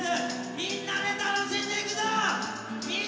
みんなで楽しんでいくぞ！